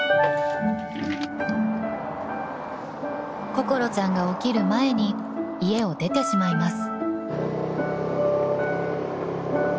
［心ちゃんが起きる前に家を出てしまいます］